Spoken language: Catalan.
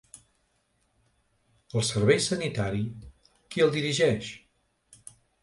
El servei sanitari qui el dirigeix?